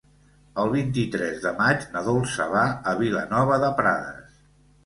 El vint-i-tres de maig na Dolça va a Vilanova de Prades.